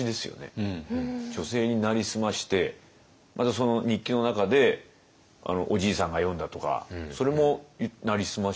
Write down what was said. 女性に成り済ましてまたその日記の中でおじいさんが詠んだとかそれも成り済まし？